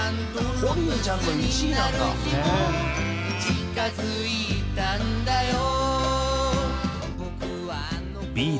「近づいたんだよ」